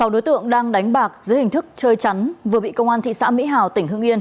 sáu đối tượng đang đánh bạc dưới hình thức chơi chắn vừa bị công an thị xã mỹ hào tỉnh hưng yên